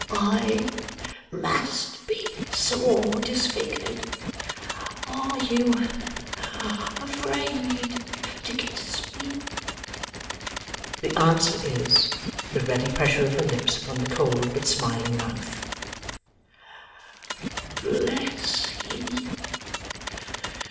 'I must be sore disfigured. Are you afraid to kiss me?' The answer is, the ready pressure of her lips upon the cold but smiling mouth. 'Bless ye!